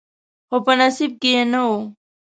خو په نصیب کې یې نه و.